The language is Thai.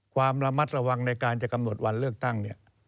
ความระมัดระวังในการจะกำหนดวันเลือกตั้งเนี่ย